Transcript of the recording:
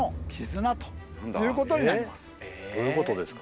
どういうことですか？